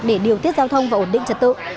để điều tiết giao thông và ổn định trật tự